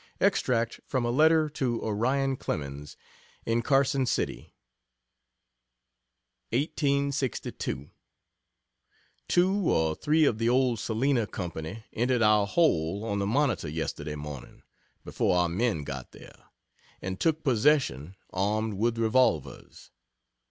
Extract from a letter to Orion Clemens, in Carson City: 1862. Two or three of the old "Salina" company entered our hole on the Monitor yesterday morning, before our men got there, and took possession, armed with revolvers.